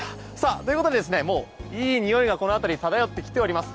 ということでもういい匂いがこの辺りただよってきております。